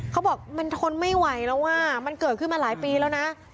เขาบอกมันทนไม่ไหวแล้วอ่ะมันเกิดขึ้นมาหลายปีแล้วนะ